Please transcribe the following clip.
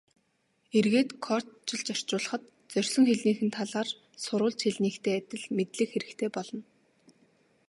Эргээд кодчилж орчуулахад зорьсон хэлнийх нь талаар сурвалж хэлнийхтэй адил мэдлэг хэрэгтэй болно.